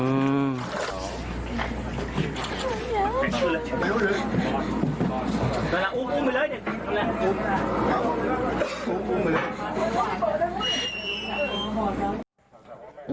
อุ้มไปเลยเนี่ยอุ้ม